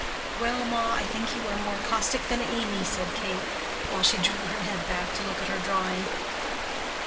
"Well, ma, I think you are more caustic than Amy," said Kate, while she drew her head back to look at her drawing.